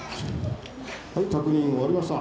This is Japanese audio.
はい確認終わりました。